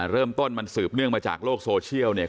เริ่มต้นมันสืบเนื่องมาจากโลกโซเชียลเนี่ย